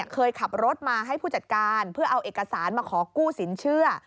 เคยขับรถมาให้ผู้จัดการเพื่อเอาเอกสารมาขอกู้สินเชื่อ